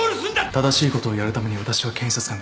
正しいことをやるために私は検察官になった。